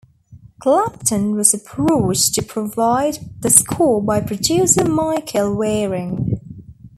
Clapton was approached to provide the score by producer Michael Wearing.